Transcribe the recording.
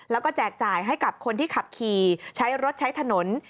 แล้วก็แจกจ่ายให้กับคนที่ขับขี่ใช้รถใช้ถนน